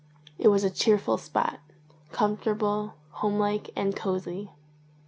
It was a cheerful spot, comfortable, home like, and cosy.